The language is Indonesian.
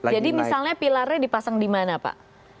jadi misalnya pilarnya dipasang di mana pak